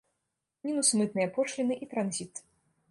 Мінус мытныя пошліны і транзіт.